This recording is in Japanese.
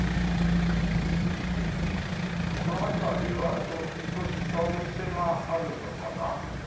この辺りはちょっとしたお店があるのかな？